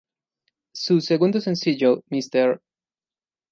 Su segundo sencillo, "Mr.